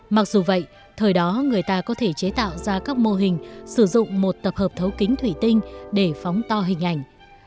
mặc dù vậy thời đó người ta có thể chế tạo ra các mô hình sử dụng một tập hợp thấu kính thủy tinh để phóng to hình ảnh